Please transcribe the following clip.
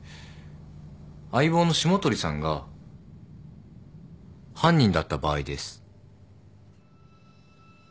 相棒の霜鳥さんが犯人だった場合です。